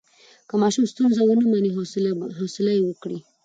که ماشوم ستونزه ونه مني، حوصله یې وکړئ.